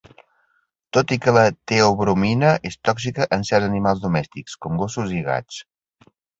Tot i que la teobromina és tòxica en certs animals domèstics com gossos i gats.